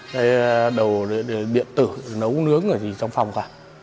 cái đồ biện tử nấu nướng ở trong phòng cả